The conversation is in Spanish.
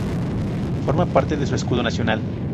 Forma parte de su escudo nacional.